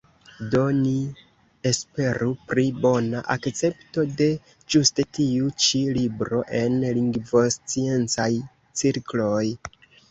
Do ni esperu pri bona akcepto de ĝuste tiu ĉi libro en lingvosciencaj cirkloj.